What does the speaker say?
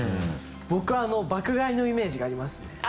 僕あの爆買いのイメージがありますね。